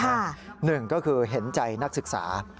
หนึ่งก็คือเห็นใจนักศึกษา